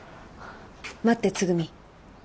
待ってつぐみ。